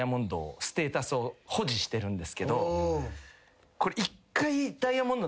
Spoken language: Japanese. ステータスを保持してるんですけど。